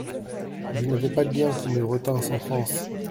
Je n'avais pas de liens qui me retinssent en France.